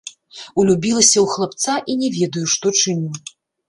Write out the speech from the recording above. Улюбілася ў хлапца і не ведаю, што чыню.